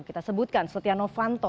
kita sebutkan sotiano fanto